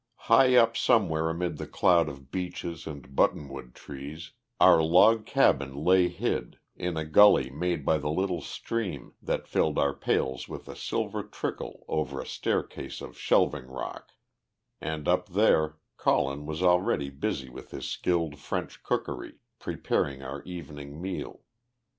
High up somewhere amid the cloud of beeches and buttonwood trees, our log cabin lay hid, in a gully made by the little stream that filled our pails with a silver trickle over a staircase of shelving rock, and up there Colin was already busy with his skilled French cookery, preparing our evening meal.